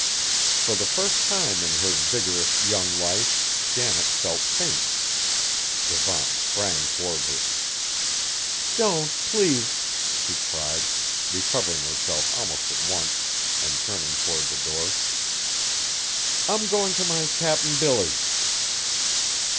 For the first time in her vigorous, young life Janet felt faint. Devant sprang toward her. "Don't, please!" she cried, recovering herself almost at once and turning toward the door; "I'm going to my Cap'n Billy!"